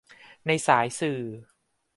ในสายสื่อ